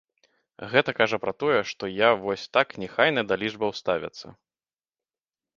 Гэта кажа пра тое, што я вось так неахайна да лічбаў ставяцца.